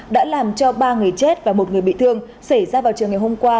đã làm cho ba người chết và một người bị thương xảy ra vào chiều ngày hôm qua